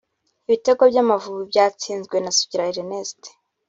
Ibitego by’Amavubi byatsinzwe na Sugira Ernest